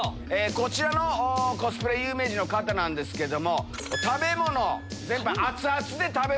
こちらのコスプレ有名人の方ですけど。